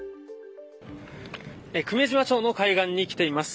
久米島町の海岸に来ています。